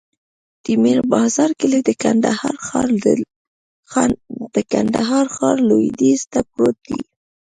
د میر بازار کلی د کندهار ښار لویدیځ ته پروت دی.